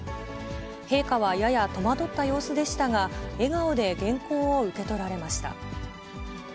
陛下はやや戸惑った様子でしたが、笑顔で原稿を受け取られました。